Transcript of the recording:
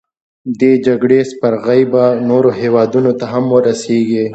دې جګړې سپرغۍ به نورو هیوادونو ته هم ورسیږي.